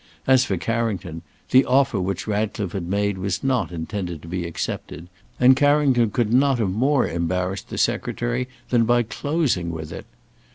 As for Carrington, the offer which Ratcliffe had made was not intended to be accepted, and Carrington could not have more embarrassed the secretary than by closing with it.